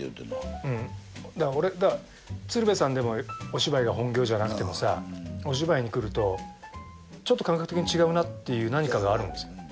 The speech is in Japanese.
うん鶴瓶さんでもお芝居が本業じゃなくてもさお芝居に来るとちょっと感覚的に違うなっていう何かがあるんですよ